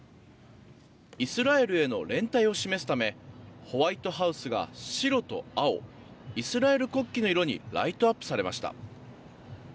イスラエルへの連帯を示すためホワイトハウスが白と青イスラエル国旗の色にライトアップされました。